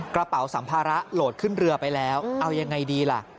กระเป๋าสัมภาระโหลดขึ้นเรือไปแล้วเอายังไงดีล่ะ